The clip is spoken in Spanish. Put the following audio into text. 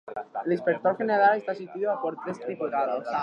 El Inspector General está asistido por tres diputados.